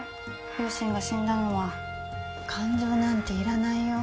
両親が死んだのは感情なんていらないよ